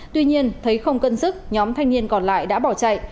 tuy nhiên thấy không cân sức nhóm thanh niên còn lại đã bỏ chạy